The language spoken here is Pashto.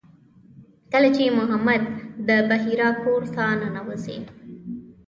کله چې محمد د بحیرا کور ته ننوځي.